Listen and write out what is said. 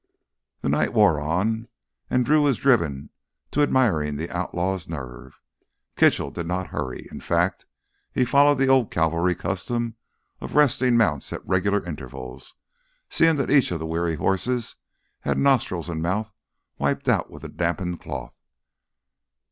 The night wore on and Drew was driven to admiring the outlaws' nerve. Kitchell did not hurry; in fact he followed the old cavalry custom of resting mounts at regular intervals, seeing that each of the weary horses had nostrils and mouth wiped out with a dampened cloth.